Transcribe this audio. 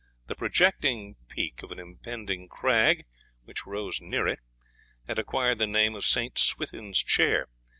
The projecting peak of an impending crag which rose near it had acquired the name of Saint Swithin's Chair.